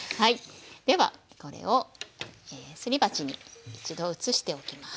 ではこれをすり鉢に一度移しておきます。